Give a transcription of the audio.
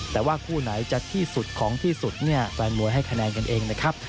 แต่ว่าคู่ไหนจะที่สุดของที่สุดเนี่ยแฟนมวยให้คะแนนกันเองนะครับ